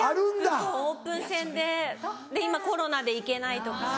キャンプとオープン戦で今コロナで行けないとか。